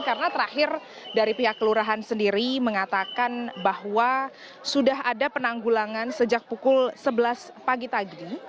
karena terakhir dari pihak kelurahan sendiri mengatakan bahwa sudah ada penanggulangan sejak pukul sebelas pagi tadi